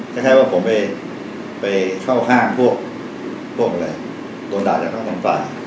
แค่ว่าผมไปเข้าห้างพวกอะไรโดนด่าจากข้างบนฝ่าย